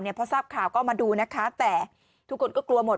เพราะทราบข่าวก็ออกมาดูแต่ทุกคนก็กลัวหมด